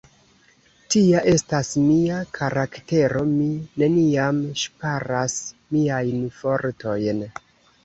Tia estas mia karaktero, mi neniam ŝparas miajn fortojn!